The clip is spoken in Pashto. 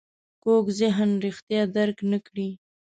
کوږ ذهن رښتیا درک نه کړي